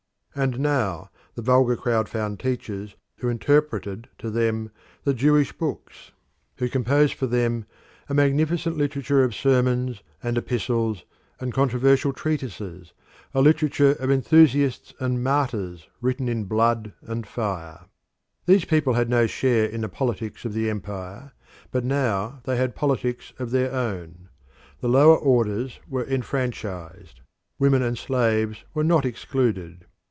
And now the vulgar crowd found teachers who interpreted to them the Jewish books, who composed for them a magnificent literature of sermons and epistles and controversial treatises, a literature of enthusiasts and martyrs written in blood and fire. The people had no share in the politics of the empire, but now they had politics of their own. The lower orders were enfranchised; women and slaves were not excluded.